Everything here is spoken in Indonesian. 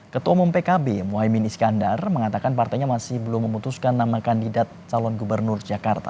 ketua umum pkb mohaimin iskandar mengatakan partainya masih belum memutuskan nama kandidat calon gubernur jakarta